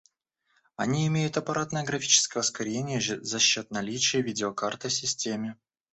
Они имеют аппаратное графическое ускорение за счёт наличия видеокарты в системе